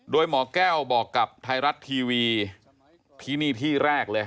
โดยหมอแก้วบอกกับไทยรัฐทีวีที่นี่ที่แรกเลย